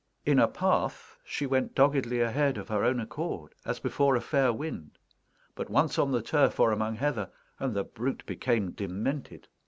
In a path, she went doggedly ahead of her own accord, as before a fair wind; but once on the turf or among heather, and the brute became demented.